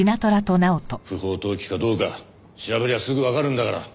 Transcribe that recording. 不法投棄かどうかは調べりゃすぐわかるんだから。